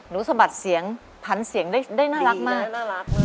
หรือสะบัดเสียงพันเสียงได้น่ารักมากดีเลยน่ารัก